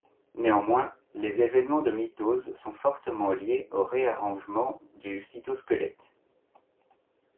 Néanmoins, les événements de mitose sont fortement liés aux réarrangements du cytosquelette.